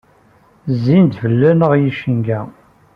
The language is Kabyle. Zzin-d fell-aɣ yicenga.